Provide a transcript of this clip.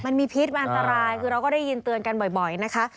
มันมีพิษมาอันทรายเราก็ได้ยินตัวนกันบ่อยนะคะ